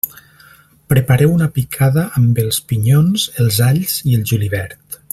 Prepareu una picada amb els pinyons, els alls i el julivert.